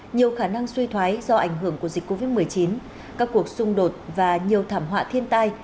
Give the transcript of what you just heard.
nhiều khả năng suy thoái do ảnh hưởng của dịch covid một mươi chín các cuộc xung đột và nhiều thảm họa thiên tai